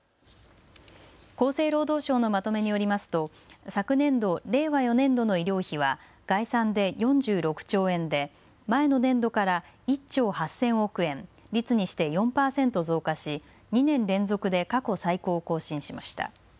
厚生労働省のまとめによりますと昨年度令和４年度の医療費は概算で４６兆円で前の年度から１兆８０００億円、率にして４％増加し２年連続で過去最高を更新しました。